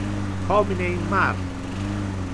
Homine in mar!